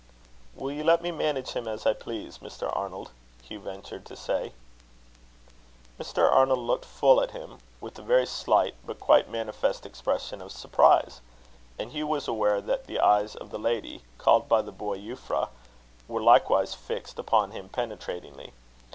"Will you let me manage him as I please, Mr. Arnold?" Hugh ventured to say. Mr. Arnold looked full at him, with a very slight but quite manifest expression of surprise; and Hugh was aware that the eyes of the lady, called by the boy Euphra, were likewise fixed upon him penetratingly.